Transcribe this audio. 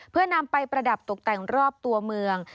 เพื่อนำไปประดับตกแต่งรอบตัวเมือง